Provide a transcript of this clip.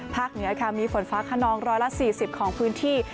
เหนือค่ะมีฝนฟ้าขนอง๑๔๐ของพื้นที่